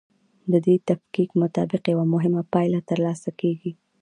د دې تفکیک مطابق یوه مهمه پایله ترلاسه کیږي.